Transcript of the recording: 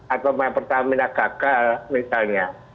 atau pemerintah gagal misalnya